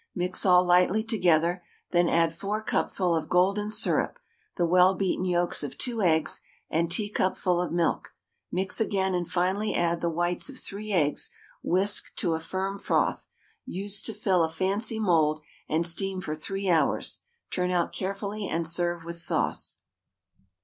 Mix all lightly together, then add 4 cupful of golden syrup, the well beaten yolks of 2 eggs, and teacupful of milk. Mix again, and finally add the whites of 3 eggs whisked to a firm froth; use to fill a fancy mould, and steam for 3 hours; turn out carefully, and serve with sauce.